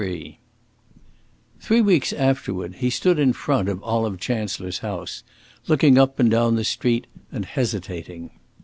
XXIII Three weeks afterward he stood in front of Olive Chancellor's house, looking up and down the street and hesitating.